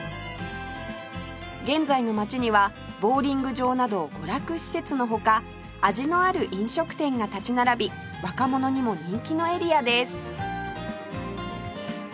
現在の街にはボウリング場など娯楽施設の他味のある飲食店が立ち並び若者にも人気のエリアです